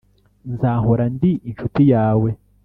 nzahora ndi inshuti yawe